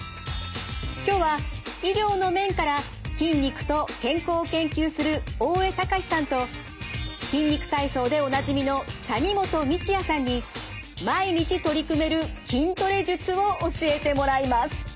今日は医療の面から筋肉と健康を研究する大江隆史さんと「筋肉体操」でおなじみの谷本道哉さんに毎日取り組める筋トレ術を教えてもらいます。